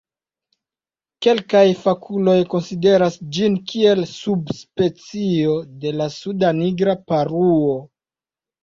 Kelkaj fakuloj konsideras ĝin kiel subspecio de la Suda nigra paruo.